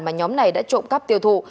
mà nhóm này đã trộm cắp tiêu thụ